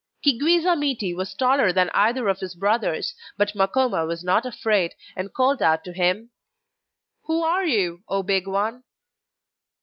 Chi gwisa miti was taller than either of his brothers, but Makoma was not afraid, and called out to him: 'Who are you, O Big One?